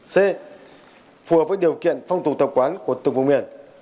c phù hợp với điều kiện phong tục tập quán của từng vùng miền